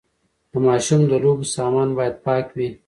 د ماشوم د لوبو سامان باید پاک وي۔